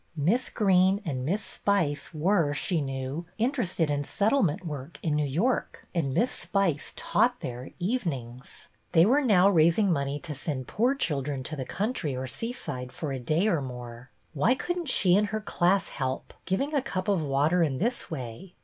Miss Greene and Miss ; Spice were, she knew, interested in settle 4 ment work in New York, and Miss Spice | taught there evenings. 7'hey were now | raising money to send poor children to the | country or seaside for a day or more. Why I could n't she and her class help, giving a cup j of water in this way?